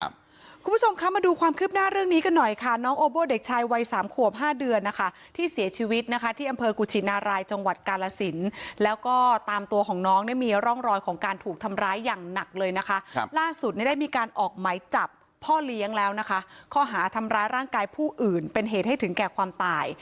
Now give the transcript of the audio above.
คุณผู้ชมคะมาดูความคืบหน้าเรื่องนี้กันหน่อยค่ะน้องโอโบเด็กชายวัยสามขวบห้าเดือนนะคะที่เสียชีวิตนะคะที่อำเภอกุชินารายจังหวัดกาลสินแล้วก็ตามตัวของน้องเนี่ยมีร่องรอยของการถูกทำร้ายอย่างหนักเลยนะคะครับล่าสุดเนี่ยได้มีการออกไหมจับพ่อเลี้ยงแล้วนะคะข้อหาทำร้ายร่างกายผู้อื่นเป็นเหตุให้ถึงแก่ความตาย